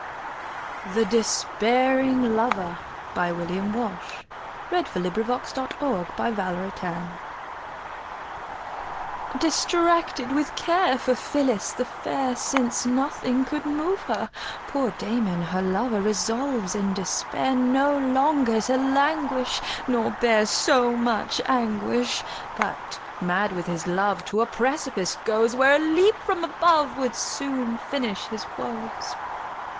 The Despairing Lover DISTRACTED with care, For Phillis the fair, Since nothing could move her, Poor Damon, her lover, Resolves in despair No longer to languish, Nor bear so much anguish; But, mad with his love, To a precipice goes; Where a leap from above Would soon finish his woes.